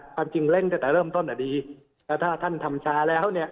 ความจริงเร่งแต่เริ่มต้นจะดีถ้าท่านทำช้าแล้ว